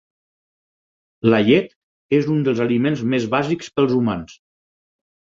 La llet és un dels aliments més bàsics pels humans.